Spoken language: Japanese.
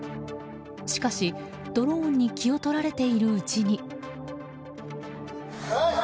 しかしドローンに気を取られているうちに。